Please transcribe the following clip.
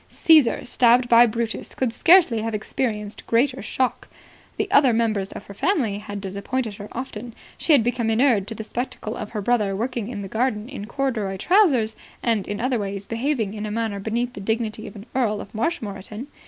Caesar, stabbed by Brutus, could scarcely have experienced a greater shock. The other members of her family had disappointed her often. She had become inured to the spectacle of her brother working in the garden in corduroy trousers and in other ways behaving in a manner beneath the dignity of an Earl of Marshmoreton.